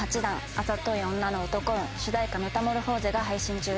「あざとい女の男運」主題歌『メタモルフォーゼ』が配信中です。